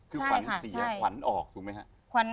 คือขวัญเสียขวัญออกถูกไหมครับ